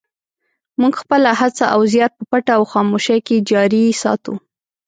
موږ خپله هڅه او زیار په پټه او خاموشۍ کې جاري ساتو.